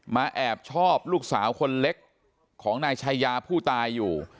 แอบชอบลูกสาวคนเล็กของนายชายาผู้ตายอยู่